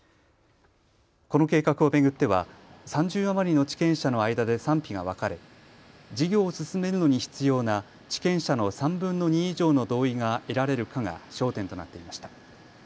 この計画を巡っては３０余りの地権者の間で賛否が分かれ、事業を進めるのに必要な地権者の３分の２以上の同意が得られるかが焦点となっていました。